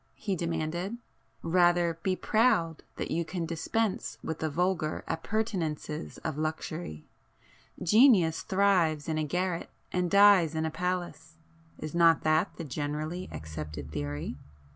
he demanded. "Rather be proud that you can dispense with the vulgar appurtenances of luxury. Genius thrives in a garret and dies in a palace,—is not that the generally accepted theory?"